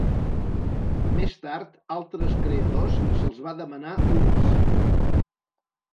Més tard, altres creadors se’ls va demanar unir-s'hi.